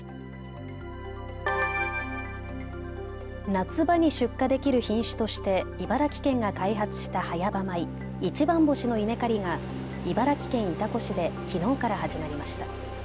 夏場に出荷できる品種として茨城県が開発した早場米、一番星の稲刈りが茨城県潮来市できのうから始まりました。